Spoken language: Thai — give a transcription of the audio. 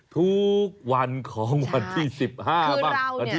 ทุกวันของวันที่๑๕บ้างวันที่๑บ้าง๓๐บ้างอะไรอย่างนี้